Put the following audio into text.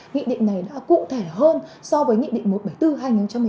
nghị định này đã cụ thể hơn so với nghị định một trăm bảy mươi bốn hai nghìn một mươi tám